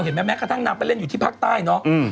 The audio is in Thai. เห็นไหมแม้กระทั่งนางไปเล่นอยู่ที่ภาคใต้เนอะอืม